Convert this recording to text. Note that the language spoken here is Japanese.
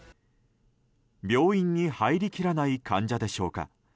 病院に入りきらない患者でしょうか。